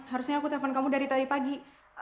harusnya aku telpon kamu dari tadi pagi